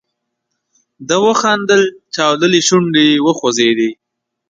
ده وخندل، چاودلې شونډې یې وخوځېدې.